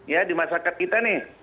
ya di masyarakat kita nih